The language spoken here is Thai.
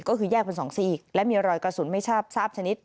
ก็คือแยกเป็น๒ซีกและมีรอยกระสุนไม่ทราบชนิด